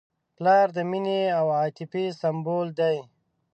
پلار د مینې او عاطفې سمبول دی.